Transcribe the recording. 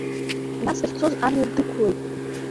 Нас дахьцоз амҩа дықәлеит.